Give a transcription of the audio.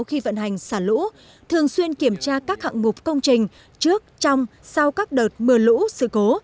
khi vận hành xả lũ thường xuyên kiểm tra các hạng mục công trình trước trong sau các đợt mưa lũ sự cố